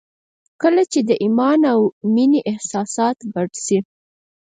کله چې د ایمان او مینې احساسات ګډ شي